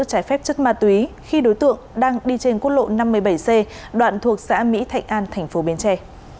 trái phép chất ma túy khi đối tượng đang đi trên quốc lộ năm mươi bảy c đoạn thuộc xã mỹ thạnh an tp bến tre